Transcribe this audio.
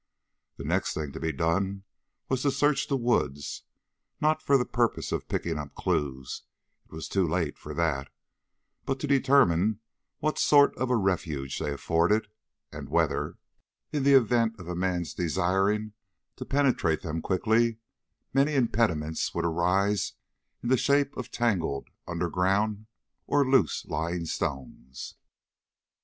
The next thing to be done was to search the woods, not for the purpose of picking up clues it was too late for that but to determine what sort of a refuge they afforded, and whether, in the event of a man's desiring to penetrate them quickly, many impediments would arise in the shape of tangled underground or loose lying stones.